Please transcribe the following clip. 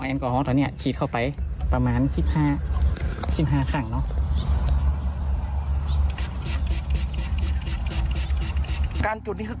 โอ้โหนี่อุปกรณ์เขาแปลกดี